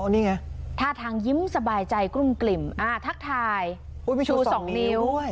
อ๋อนี่ไงท่าทางยิ้มสบายใจกลุ่มกลิ่มอ่าทักทายอุ้ยมีชูสองนิ้วด้วย